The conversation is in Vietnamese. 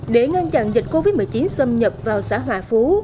để ngăn chặn dịch covid một mươi chín xâm nhập vào xã hòa phú